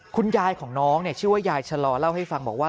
คุณยายของน้องชื่อว่ายายชะลอเล่าให้ฟังบอกว่า